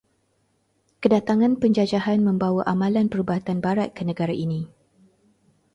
Kedatangan penjajahan membawa amalan perubatan barat ke negara ini.